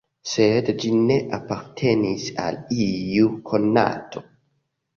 Sed ĝi ne apartenis al iu konato.